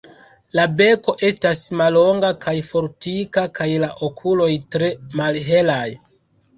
La beko estas mallonga kaj fortika kaj la okuloj tre malhelaj.